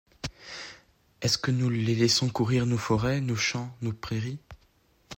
Est-ce que nous les laisserons courir nos forêts, nos champs, nos prairies